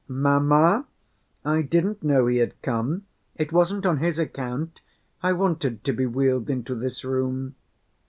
"Mamma, I didn't know he had come. It wasn't on his account I wanted to be wheeled into this room."